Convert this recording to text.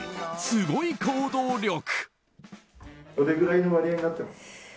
すごい行動力。